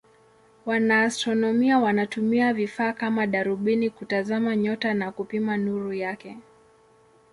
Wanaastronomia wanatumia vifaa kama darubini kutazama nyota na kupima nuru yake.